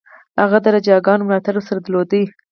هغه د راجاګانو ملاتړ ورسره درلود.